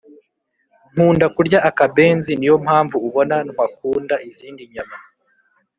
nkunda kurya akabenzi niyompamvu ubona ntwakunda izindi nyama